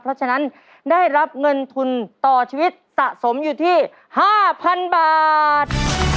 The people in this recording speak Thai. เพราะฉะนั้นได้รับเงินทุนต่อชีวิตสะสมอยู่ที่๕๐๐๐บาท